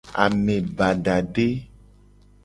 Ame badade.